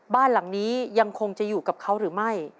บ้านหลังนี้ยังคงจะอยู่กับเขาหรือไม่